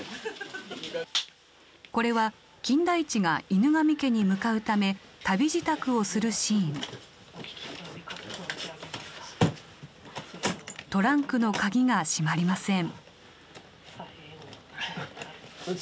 これは金田一が犬神家に向かうため旅支度をするシーントランクの鍵が閉まりません